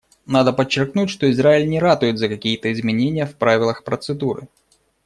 Надо подчеркнуть, что Израиль не ратует за какие-то изменения в правилах процедуры.